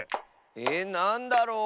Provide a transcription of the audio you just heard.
えっなんだろう？